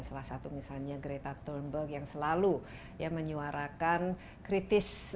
salah satu misalnya greta thunberg yang selalu menyuarakan kritis